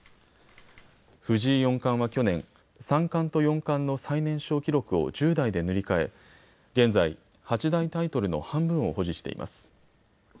藤井四冠は去年三冠と四冠の最年少記録を１０代で塗り替え現在、八大タイトルの半分を保持しています。